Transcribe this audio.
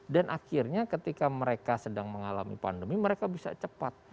dan akhirnya ketika mereka sedang mengalami pandemi mereka bisa cepat